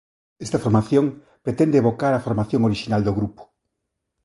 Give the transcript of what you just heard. Esta formación pretende evocar a formación orixinal do grupo.